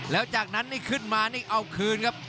แล้วจากนั้นนี่ขึ้นมานี่เอาคืนครับ